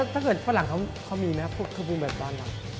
ถ้าเกิดฝรั่งเขามีไหมครับพวกเครื่องปรุงแบบบ้านหลัง